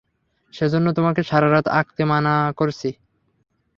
সেজন্য, তোমাকে সারা রাত আঁকতে মানা করছি।